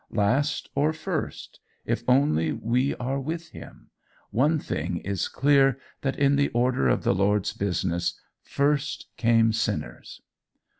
Last or first if only we are with him! One thing is clear that in the order of the Lord's business, first came sinners.